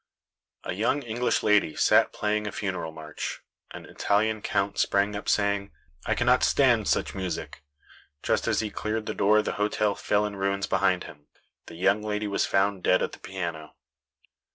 A young English lady sat playing a funeral march. An Italian count sprang up, saying, "I cannot stand such music!" Just as he cleared the door the hotel fell in ruins behind him. The young lady was found dead at the piano.